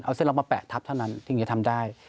เอาเส้นล็อคมาแปะทับเท่านั้นสิ่งที่จะทำได้